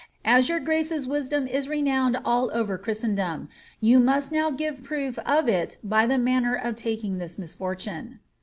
As your grace's wisdom is renowned all over Christendom, you must now give proof of it by the manner of taking this misfortune.'